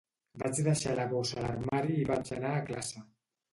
Vaig deixar la bossa a l'armari i vaig anar a classe.